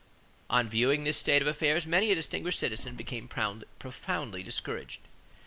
On viewing this state of affairs, many a distinguished citizen became profoundly discouraged.